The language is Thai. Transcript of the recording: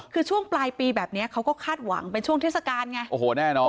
คือช่วงปลายปีแบบนี้เขาก็คาดหวังเป็นช่วงเทศกาลไงโอ้โหแน่นอน